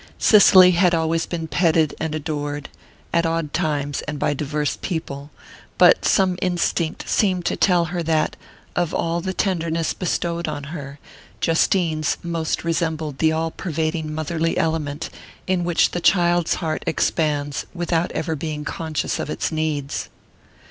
Cicely had always been petted and adored, at odd times and by divers people; but some instinct seemed to tell her that, of all the tenderness bestowed on her, Justine's most resembled the all pervading motherly element in which the child's heart expands without ever being conscious of its needs.